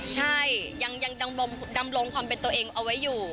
ใช่ยังดำรงความเป็นตัวเองเอาไว้อยู่